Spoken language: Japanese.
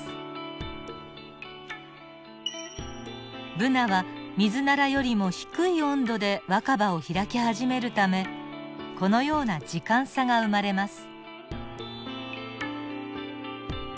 ブナはミズナラよりも低い温度で若葉を開き始めるためこのような時間差が生まれます。